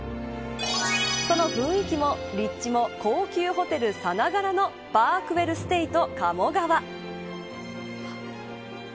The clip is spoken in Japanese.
その雰囲気も立地も高級ホテルさながらのパークウェルステイト鴨川。